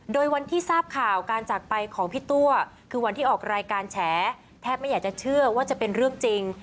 โดยวันที่ทราบข่าวการจากไปของพี่ตัวคือวันที่ออกรายการแฉแทบไม่อยากจะเชื่อว่าจะเป็นเรื่องจริง